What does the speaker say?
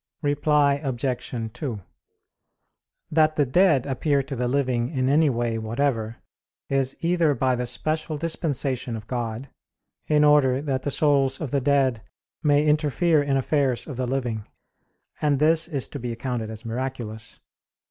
Reply Obj. 2: That the dead appear to the living in any way whatever is either by the special dispensation of God; in order that the souls of the dead may interfere in affairs of the living and this is to be accounted as miraculous.